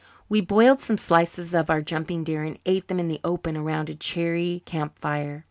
We boiled some slices of our jumping deer and ate them in the open around a cheery camp fire.